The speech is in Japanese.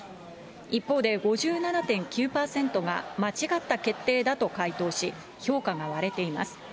一方で５７．９％が間違った決定だと回答し、評価が割れています。